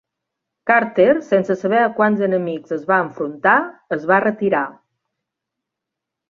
Carter, sense saber a quants enemics es va enfrontar, es va retirar.